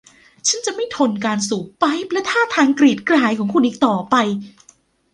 ฉันจะไม่ทนการสูบไปป์และท่าทางกรีดกรายของคุณอีกต่อไป